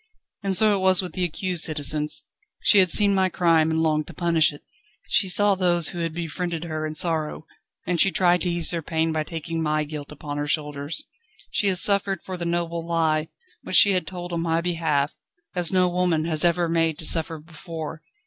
And so it was with the accused, citizens. She had seen my crime, and longed to punish it; she saw those who had befriended her in sorrow, and she tried to ease their pain by taking my guilt upon her shoulders. She has suffered for the noble lie, which she had told on my behalf, as no woman has ever been made to suffer before.